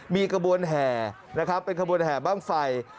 มีขบวนแห่นะครับเป็นขบวนแห่บ้างไฟ